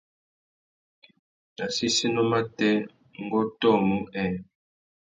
Nà séssénô matê, ngu ôtōmú nhêê.